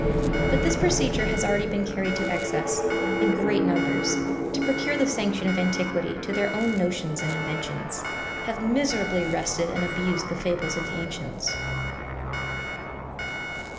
But this procedure has already been carried to excess; and great numbers, to procure the sanction of antiquity to their own notions and inventions, have miserably wrested and abused the fables of the ancients.